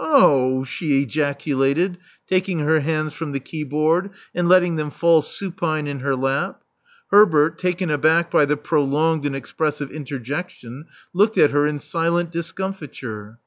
0 — h! she ejaculated, taking her hands from the keyboard, and letting them fall supine in her lap. Herbert, taken aback by the prolonged and expressive interjection, looked at her in silent discomfiture.